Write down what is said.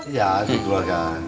ya di keluarga